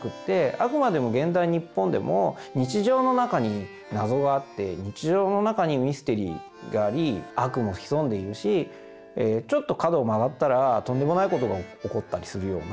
あくまでも現代日本でも日常の中に謎があって日常の中にミステリーがあり悪も潜んでいるしちょっと角を曲がったらとんでもないことが起こったりするような。